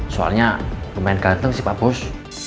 soalnya lumayan ganteng sih pak bos